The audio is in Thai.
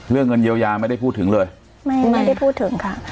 เรื่องเงินเยียวยาไม่ได้พูดถึงเลยไม่ไม่ได้พูดถึงค่ะ